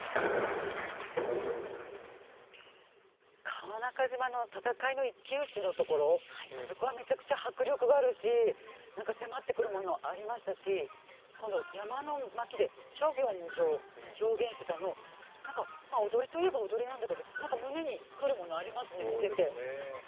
川中島の戦いの一騎打ちのところあそこはめちゃくちゃ迫力があるし何か迫ってくるものありましたし今度「山の巻」で「諸行無常」表現してたの何かまあ踊りといえば踊りなんだけど何か胸に来るものありますね見てて。